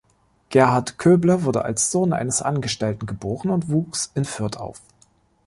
Gerhard Köbler wurde als Sohn eines Angestellten geboren und wuchs in Fürth auf.